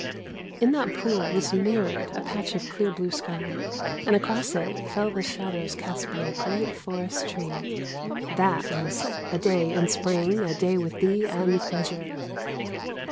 In that pool was mirrored a patch of clear blue sky, and across it fell the shadows cast by a great forest tree. That was "a day in spring, a day with thee and pleasure!"